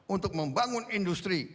untuk membangun industri